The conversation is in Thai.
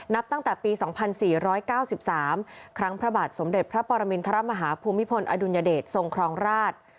นับตั้งแต่ปี๒๔๙๓ครั้งพระบาทสมเด็จพระปรมินทรมาฮาภูมิพลอดุลยเดชทรงครองราช